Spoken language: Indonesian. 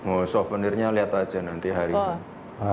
oh souvenirnya lihat aja nanti hari ini